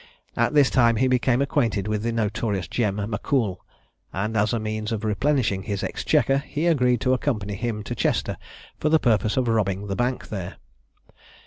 At this time he became acquainted with the notorious Jem Mackcoull; and as a means of replenishing his exchequer, he agreed to accompany him to Chester, for the purpose of robbing the bank there.